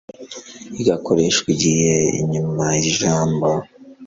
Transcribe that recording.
igakoreshwa igihe inyuma y ijambo